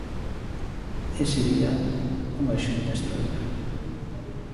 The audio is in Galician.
Ese día, unha xunta extraordinaria.